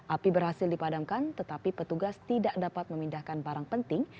api berhasil dipadamkan tetapi petugas tidak dapat memindahkan barang penting